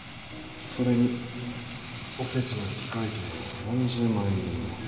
それにおせちの引換券も何十万円分も。